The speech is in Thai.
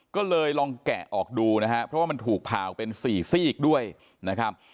ก็เลยลองแกะออกดูนะฮะเพราะว่ามันถูกผ่าออกเป็น๔ซีกด้วยนะครับ